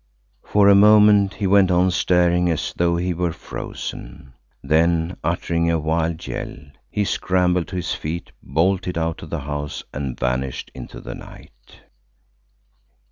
For a moment he went on staring as though he were frozen, then uttering a wild yell, he scrambled to his feet, bolted out of the house and vanished into the night.